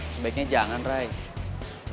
commerciasi ke kaupung ekel